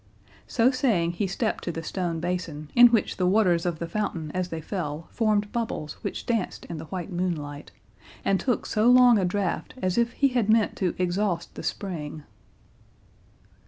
So saying, he stepped to the stone basin, in which the waters of the fountain as they fell formed bubbles which danced in the white moonlight, and took so long a drought as if he had meant to exhaust the spring.